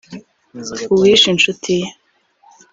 uwishe inshuti ye